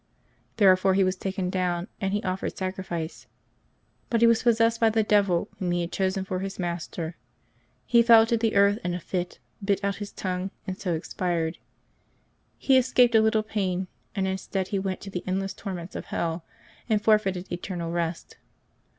^' Therefore he was taken down, and he offered sacrifice. But he was pos sessed by the devil, whom he had chosen for his master. He fell to the earth in a fit, bit out his tongue, and so expired. He escaped a little pain, and instead he went to the endless torments of hell, and forfeited eternal rest.